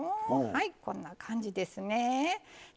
はいこんな感じですね。